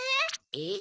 えっ？